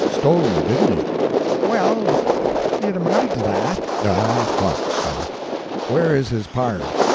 Stole you, didn't he?" "Well, it amounted to that." "I thought so. Where is his pard?"